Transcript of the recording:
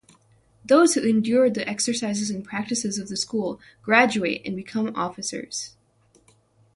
Those who endure the exercises and practices of the school graduate and become officers.